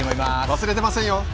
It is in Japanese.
忘れてませんよ。